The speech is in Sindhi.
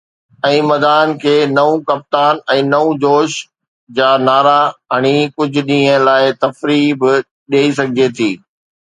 ۽ مداحن کي ”نئون ڪپتان، نئون جوش“ جا نعرا هڻي ڪجهه ڏينهن لاءِ تفريح به ڏئي سگهجي ٿي.